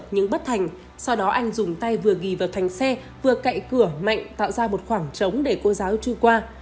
những bất thành sau đó anh dùng tay vừa ghi vào thành xe vừa cậy cửa mạnh tạo ra một khoảng trống để cô giáo tru qua